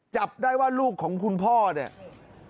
จับได้ว่าลูกของคุณพ่อเนี่ย